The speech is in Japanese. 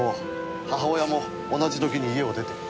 母親も同じ時に家を出て。